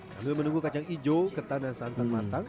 sambil menunggu kacang hijau ketan dan santan matang